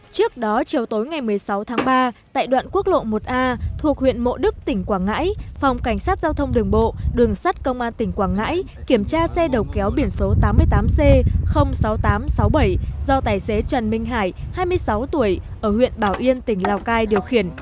trước đó chiều tối ngày một mươi sáu tháng ba tại đoạn quốc lộ một a thuộc huyện mộ đức tỉnh quảng ngãi phòng cảnh sát giao thông đường bộ đường sắt công an tỉnh quảng ngãi kiểm tra xe đầu kéo biển số tám mươi tám c sáu nghìn tám trăm sáu mươi bảy do tài xế trần minh hải hai mươi sáu tuổi ở huyện bảo yên tỉnh lào cai điều khiển